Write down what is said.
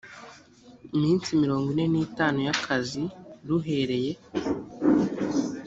minsi mirongo ine n itanu y akazi ruhereye